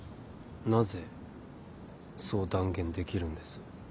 なぜそう断言できるんです？